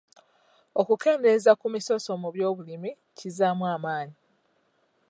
Okukendeeza ku misoso mu by'obulimi kizzaamu amaanyi.